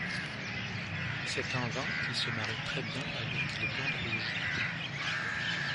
C'est un vin qui se marie très bien avec les viandes rouges.